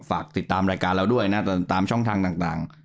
ฝากติดตามรายการเราด้วยนะตามช่องทางต่าง